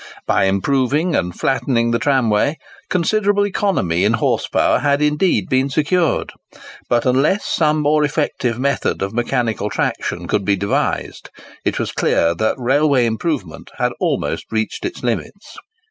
By improving and flattening the tramway, considerable economy in horse power had indeed been secured; but unless some more effective method of mechanical traction could be devised, it was clear that railway improvement had almost reached its limits.